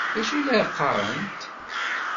D acu ay la qqarent?